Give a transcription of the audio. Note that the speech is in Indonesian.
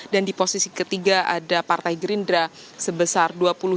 dan di posisi ketiga ada partai gerindra sebesar dua puluh tujuh puluh empat